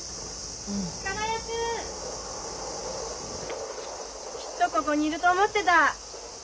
・加賀谷くん！きっとここにいると思ってた。